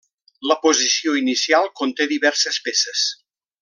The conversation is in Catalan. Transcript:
La posició inicial conté diverses peces.